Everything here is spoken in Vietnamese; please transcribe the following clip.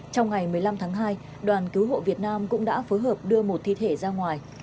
trong ngày một mươi năm tháng hai đoàn cứu hộ việt nam cũng đã phối hợp đưa một thi thể ra ngoài